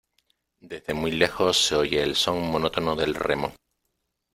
desde muy lejos se oye el son monótono del remo.